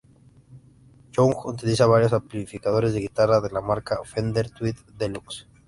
Young utiliza varios amplificadores de guitarra de la marca Fender Tweed Deluxe.